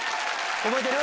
覚えてる？